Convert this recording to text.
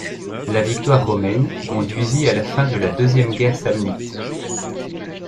La victoire romaine conduisit à la fin de la deuxième guerre samnite.